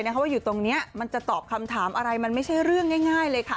เพราะว่าอยู่ตรงนี้มันจะตอบคำถามอะไรมันไม่ใช่เรื่องง่ายเลยค่ะ